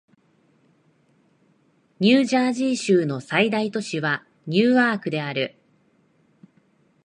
ニュージャージー州の最大都市はニューアークである